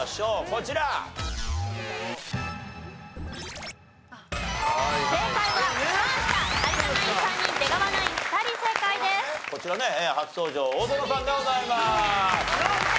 こちらね初登場大園さんでございます！